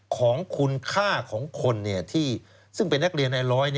ของคุณค่าของคนซึ่งเป็นนักเรียนในร้อย